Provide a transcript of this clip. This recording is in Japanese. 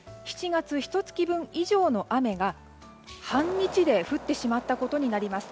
７月ひと月分以上の雨が半日で降ってしまったことになります。